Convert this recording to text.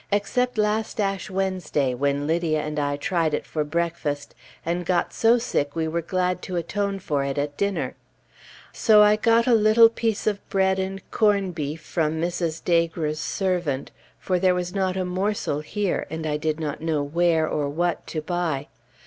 except last Ash Wednesday when Lydia and I tried it for breakfast, and got so sick we were glad to atone for it at dinner. So I got a little piece of bread and corn beef from Mrs. Daigre's servant, for there was not a morsel here, and I did not know where or what to buy.